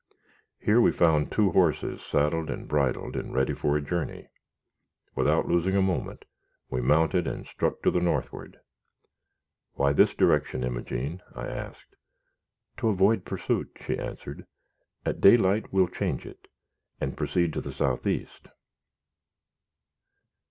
Here we found two horses saddled and bridled, and ready for a journey. Without losing a moment, we mounted and struck to the northward. "Why this direction, Imogene?" I asked. "To avoid pursuit," she answered. "At daylight we will change it, and proceed to the south east."